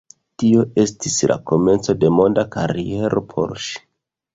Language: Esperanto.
Tio estis la komenco de monda kariero por ŝi.